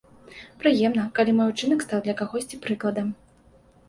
Прыемна, калі мой учынак стаў для кагосьці прыкладам.